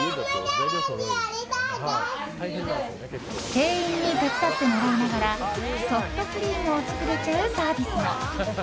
店員に手伝ってもらいながらソフトクリームを作れちゃうサービスも。